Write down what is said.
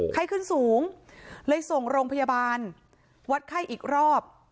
ไข้ขึ้นสูงเลยส่งโรงพยาบาลวัดไข้อีกรอบ